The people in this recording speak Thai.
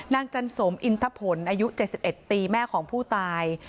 จันสมอินทะผลอายุ๗๑ปีแม่ของผู้ตาย